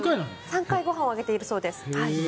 ３回ご飯をあげているそうです。